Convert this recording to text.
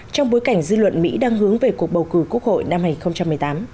trong bối cảnh dư luận mỹ đang hướng về cuộc bầu cử quốc hội năm hai nghìn một mươi tám